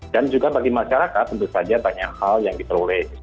dan juga bagi masyarakat tentu saja banyak hal yang diperoleh